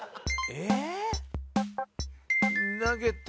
えっ？